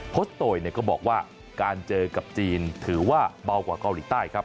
ชโตยก็บอกว่าการเจอกับจีนถือว่าเบากว่าเกาหลีใต้ครับ